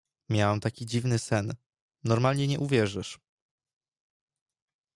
Miałem taki dziwny sen, normalnie nie uwierzysz...